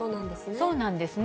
そうなんですね。